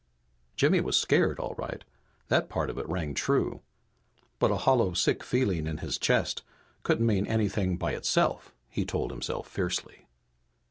Jimmy was scared, all right. That part of it rang true. But a hollow, sick feeling in his chest couldn't mean anything by itself, he told himself fiercely.